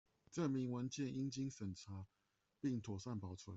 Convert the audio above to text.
證明文件應經審查並妥善保存